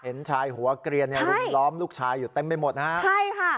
เห็นชายหัวเกลียนเนี่ยรุมล้อมลูกชายอยู่เต็มไปหมดนะฮะใช่ค่ะ